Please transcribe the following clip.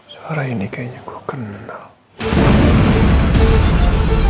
suara ini kayaknya gue kena nal